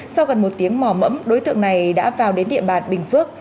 sau gần một tiếng mò mẫm đối tượng này đã vào đến địa bàn bình phước